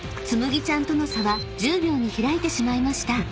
つむぎちゃんとの差は１０秒に開いてしまいました］